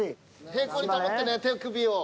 平行に保ってね手首を。